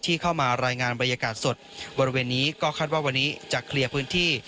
เข้ามารายงานบรรยากาศสดบริเวณนี้ก็คาดว่าวันนี้จะเคลียร์พื้นที่